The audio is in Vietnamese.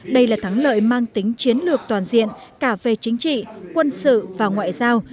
đây là thắng lợi mang tính chiến lược toàn diện cả về chính trị quân sự và ngoại giao